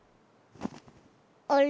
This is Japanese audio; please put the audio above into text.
あれ？